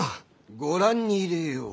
ご覧に入れよう。